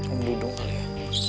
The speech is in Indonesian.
om dudung kali ya